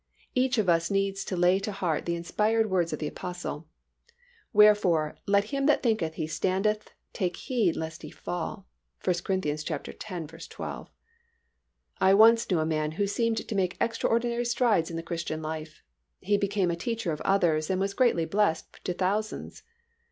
Each of us needs to lay to heart the inspired words of the Apostle, "Wherefore, let him that thinketh he standeth take heed lest he fall" (1 Cor. x. 12). I once knew a man who seemed to make extraordinary strides in the Christian life. He became a teacher of others and was greatly blessed to thousands.